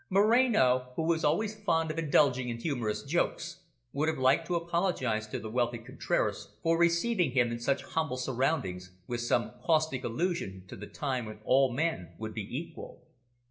Moreno, who was always fond of indulging in humorous jokes, would have liked to apologise to the wealthy Contraras for receiving him in such humble surroundings, with some caustic allusion to the time when all men would be equal.